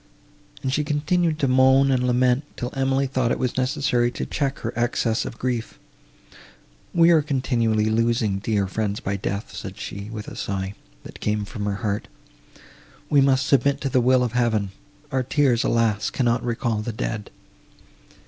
and she continued to moan and lament, till Emily thought it necessary to check her excess of grief. "We are continually losing dear friends by death," said she, with a sigh, that came from her heart. "We must submit to the will of Heaven—our tears, alas! cannot recall the dead!"